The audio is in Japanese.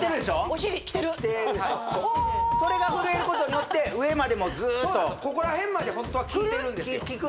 お尻きてるおおーっこれが震えることによって上までもずーっとここら辺までホントは効いてるんですよ